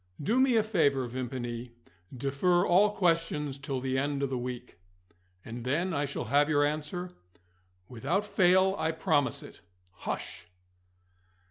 "Do me a favour, Vimpany. Defer all questions till the end of the week." "And then I shall have your answer?" "Without fail, I promise it. Hush!"